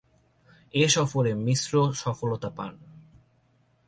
এ সফরে মিশ্র সফলতা পান।